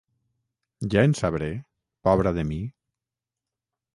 Ja en sabré, pobra de mi?